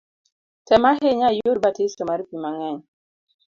Tem ahinya iyud batiso mar pi mang’eny